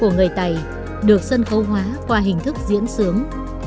ngày tài được sân khấu hóa qua hình thức diễn sướng